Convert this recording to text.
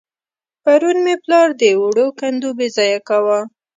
پرون مې پلار د وړو کندو بېځايه کاوه.